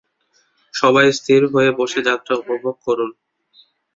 সবাই স্থির হয়ে বসে যাত্রা উপভোগ করুন।